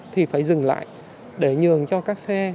thì phải dừng lại để nhường cho các xe